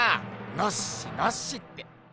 ノッシノッシって。